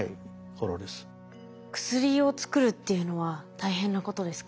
薬を作るっていうのは大変なことですか？